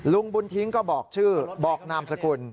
ลุงบุญทิ้งก็บอกชื่อบอกนามสกุล